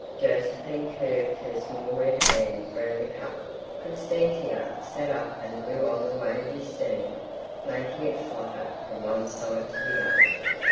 Josephine curved her small red hands round the cup; Constantia sat up and blew on the wavy steam, making it flutter from one side to the other.